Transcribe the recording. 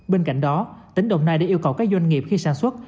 bên cạnh đó tỉnh đồng nai đã yêu cầu các doanh nghiệp khi sản xuất